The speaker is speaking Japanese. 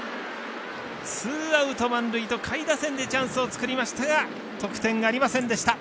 ツーアウト、満塁とチャンスを作りましたが得点がありませんでした。